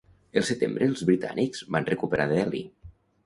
El setembre els britànics van recuperar Delhi.